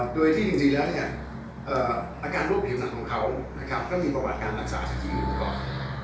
โดยที่จริงแล้วเนี่ยอาการรวบผิวหนังของเขาก็มีประวัติการรักษาจริงก่อน